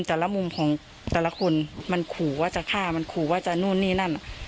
แต่ละมุมของแต่ละคนมันขู่ว่าจะฆ่ามันขู่ว่าจะนู่นนี่นั่น